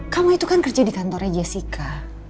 kamu itu kan kerja di kantornya jessica